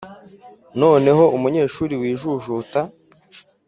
noneho umunyeshuri wijujuta